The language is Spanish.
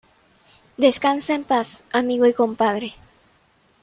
Descansa en paz amigo y compadre"